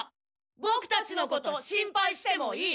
ボクたちのこと心配してもいい。